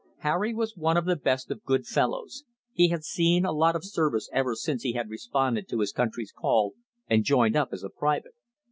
Harry was one of the best of good fellows. He had seen a lot of service ever since he had responded to his country's call and joined up as a private.